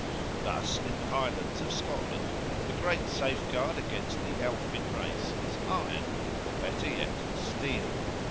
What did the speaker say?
Thus in the Highlands of Scotland the great safeguard against the elfin race is iron, or, better yet, steel.